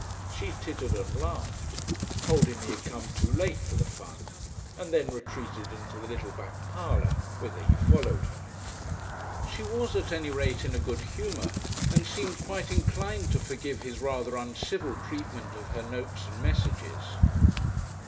She tittered and laughed, told him he had come too late for the fun, and then retreated into the little back parlour, whither he followed her. She was at any rate in a good humour, and seemed quite inclined to forgive his rather uncivil treatment of her notes and messages.